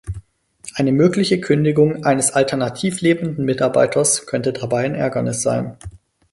Eine mögliche Kündigung eines alternativ lebenden Mitarbeiters könnte dabei ein Ärgernis sein.